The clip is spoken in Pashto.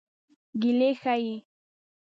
ګیلې ښيي.